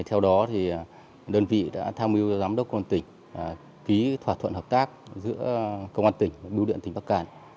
theo đó đơn vị đã tham mưu cho giám đốc quân tịch ký thỏa thuận hợp tác giữa công an tỉnh và bưu điện tỉnh bắc cạn